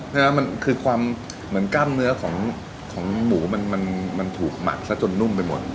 เนอะเนี่ยมันคือความเหมือนกล้ามเนื้อของของหมูมันมันมันถูกหมักซะจนนุ่มไปหมด